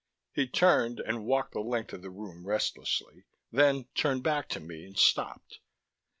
He turned and walked the length of the room restlessly, then turned back to me and stopped.